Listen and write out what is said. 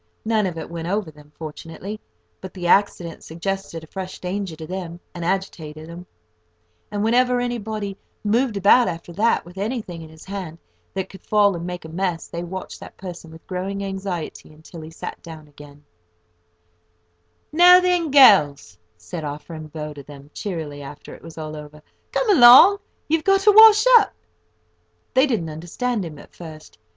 None of it went over them, fortunately, but the accident suggested a fresh danger to them, and agitated them; and, whenever anybody moved about, after that, with anything in his hand that could fall and make a mess, they watched that person with growing anxiety until he sat down again. [Picture: Washing up] "Now then, you girls," said our friend Bow to them, cheerily, after it was all over, "come along, you've got to wash up!" They didn't understand him at first.